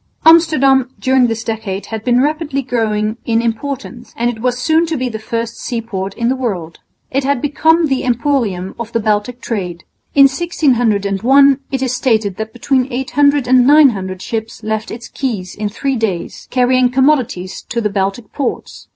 Amsterdam during this decade had been rapidly growing in importance and it was soon to be the first seaport in the world. It had become the emporium of the Baltic trade. In 1601 it is stated that between 800 and 900 ships left its quays in three days, carrying commodities to the Baltic ports.